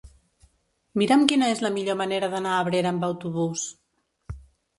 Mira'm quina és la millor manera d'anar a Abrera amb autobús.